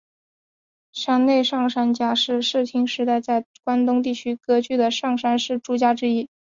山内上杉家是室町时代在关东地方割据的上杉氏诸家之一。